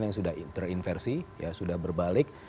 yang sudah terinversi sudah berbalik